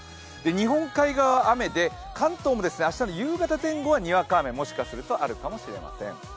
日本海側は雨で、関東も明日の夕方前後はにわか雨、もしかするとあるかもしれません。